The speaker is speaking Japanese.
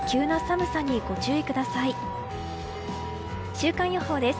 週間予報です。